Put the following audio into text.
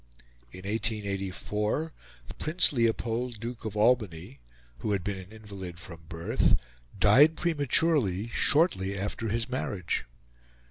In 1884 the Prince Leopold, Duke of Albany, who had been an invalid from birth, died prematurely, shortly after his marriage.